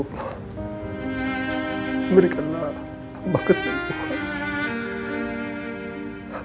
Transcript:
berikanlah hamba kesembuhan